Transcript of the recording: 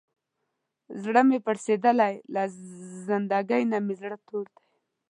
زړه مې پړسېدلی، له زندګۍ نه مې زړه تور دی.